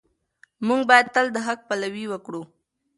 موږ باید تل د حق پلوي وکړو.